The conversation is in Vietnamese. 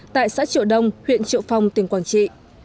tại xã triệu đông huyện triệu phong tỉnh quảng trị